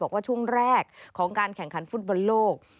บอกว่าช่วงแรกของการแข่งขันฟุตบอลโลก